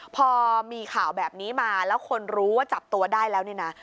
พอมีข่าวแบบนี้มาแล้วคนรู้ว่าจับตัวได้แล้วเนี่ยนะ